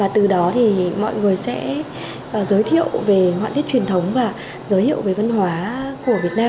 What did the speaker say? từ đó thì mọi người sẽ giới thiệu về hoạn tiết truyền thống và giới thiệu về văn hóa của việt nam